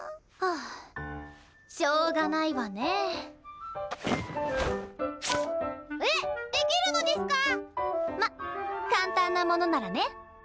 ハァしょうがないわね。えっできるのデスカ⁉まっ簡単なものならね。